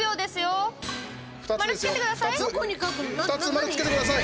丸つけてください！